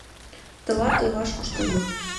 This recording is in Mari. Тылат ойлаш куштылго.